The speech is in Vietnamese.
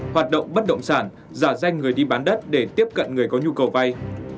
hoạt động bất động sản giả danh người đi bán đất để tiếp cận người có nhu cầu vay